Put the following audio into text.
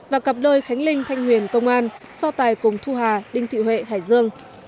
và cặp đôi khánh linh thanh huyền công an so tài cùng thu hà đinh thị huệ hải dương